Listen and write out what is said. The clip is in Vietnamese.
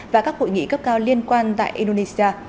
và các hội nghị cấp cao liên quan tại indonesia